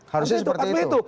harusnya seperti itu